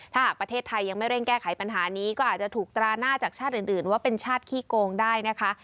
ถ้าหากประเทศไทยยังไม่เร่งแก้ไขปัญหานี้ก็อาจจะถูกตราหน้าจากชาติอื่นว่าเป็นชาติขี้โกงได้นะคะ